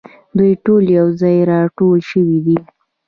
دوی ټول یو ځای راټول شوي دي.